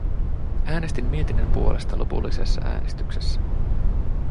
Äänestin mietinnön puolesta lopullisessa äänestyksessä.